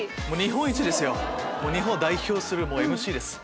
日本を代表するＭＣです